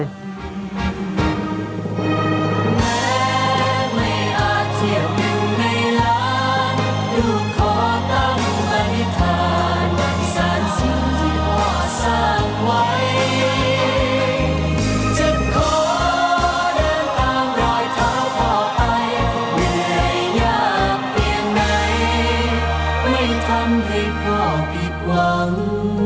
จะขอเดินตามรอยเท้าพอไปเหนื่อยยากเพียงไหนไม่ทำให้พ่อผิดหวัง